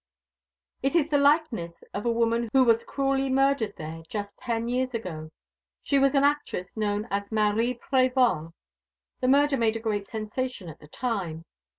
"It is the likeness of a woman who was cruelly murdered there just ten years ago. She was an actress known as Marie Prévol. The murder made a great sensation at the time.